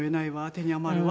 「手に余るわ。